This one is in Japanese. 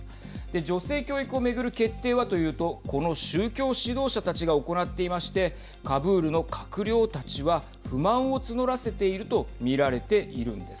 女性教育を巡る決定はというとこの宗教指導者たちが行っていましてカブールの閣僚たちは不満を募らせていると見られているんです。